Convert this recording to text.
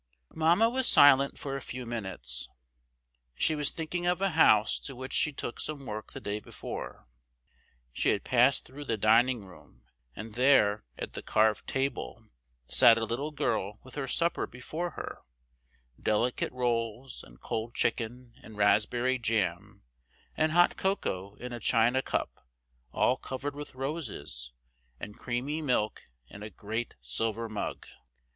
Mamma was silent for a few minutes. She was thinking of a house to which she took some work the day before. She had passed through the dining room, and there, at the carved table, sat a little girl with her supper before her,—delicate rolls, and cold chicken, and raspberry jam, and hot cocoa in a china cup all covered with roses, and creamy milk in a great silver mug.